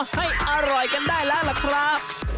ให้อร่อยกันได้แล้วล่ะครับ